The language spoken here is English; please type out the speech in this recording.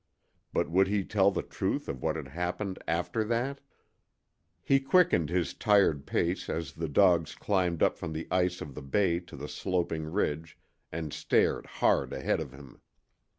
But would he tell the truth of what had happened after that? He quickened his tired pace as the dogs climbed up from the ice of the Bay to the sloping ridge, and stared hard ahead of him.